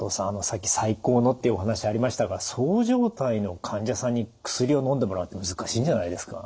さっき「最高の」っていうお話ありましたがそう状態の患者さんに薬をのんでもらうって難しいんじゃないですか？